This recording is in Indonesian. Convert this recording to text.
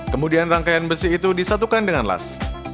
kemudian rangkaian besi itu disatukan dengan las